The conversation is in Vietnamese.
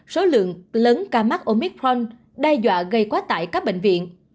số lượng lớn ca mắc omicron đe dọa gây quá tại các bệnh viện